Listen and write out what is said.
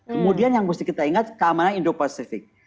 kemudian yang mesti kita ingat keamanan indo pasifik